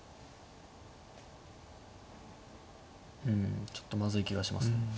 うんちょっとまずい気がします。